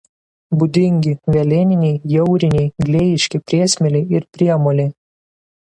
Būdingi velėniniai jauriniai glėjiški priesmėliai ir priemoliai.